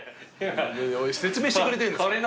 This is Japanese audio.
説明してくれてんです。